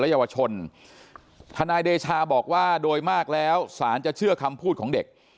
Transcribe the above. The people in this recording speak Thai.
เยาวชนทนายเดชาบอกว่าโดยมากแล้วสารจะเชื่อคำพูดของเด็ก